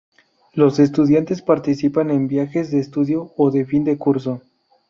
Los estudiantes participan en "viajes de estudio" o de fin de curso.